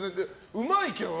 うまいけどな。